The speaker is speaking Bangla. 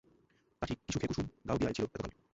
তা ঠিক, কী সুখে কুসুম গাওদিয়ায় ছিল এতকাল?